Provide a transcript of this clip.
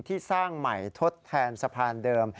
สร้างใหม่ทดแทนสะพานเดิม